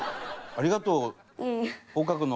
ありがとう。